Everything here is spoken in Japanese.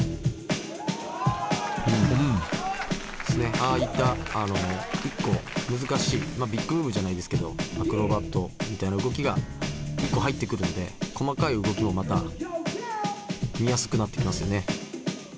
ああいった一個難しいビッグムーブじゃないですけどアクロバットみたいな動きが一個入ってくるんで細かい動きもまた見やすくなってきますよね。